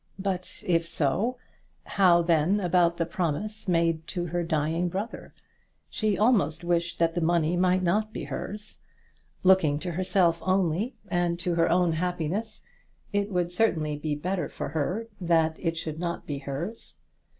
But if so, how then about the promise made to her dying brother? She almost wished that the money might not be hers. Looking to herself only, and to her own happiness, it would certainly be better for her that it should not be hers.